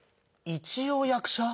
一応役者？